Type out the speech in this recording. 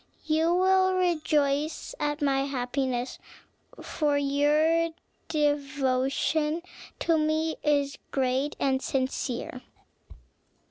You will rejoice at my happiness; for your devotion to me is great and sincere."